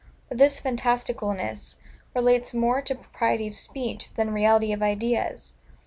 But this fantasticalness relates more to propriety of speech, than reality of ideas.